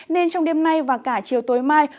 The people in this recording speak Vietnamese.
nên trong đêm nay và cả chiều tối mai